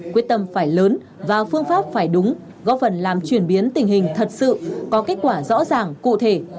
quyết tâm phải lớn và phương pháp phải đúng góp phần làm chuyển biến tình hình thật sự có kết quả rõ ràng cụ thể